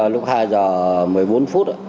lúc hai h một mươi bốn phút